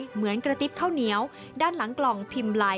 เหมือนกระติบข้าวเหนียวด้านหลังกล่องพิมพ์ไลน์